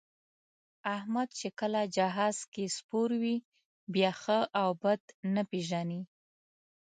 احمد چې کله جهاز کې سپور وي، بیا ښه او بد نه پېژني.